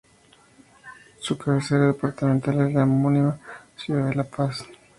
Su cabecera departamental es la homónima ciudad de La Paz.